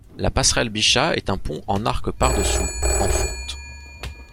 La passerelle Bichat est un pont en arc par-dessous en fonte.